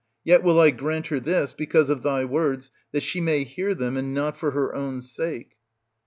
Yet will I grant her this because of thy words, that she may hear them, and not for her own sake.